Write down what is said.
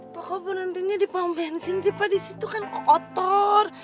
pokoknya nantinya di pom bensin sih pa di situ kan kotor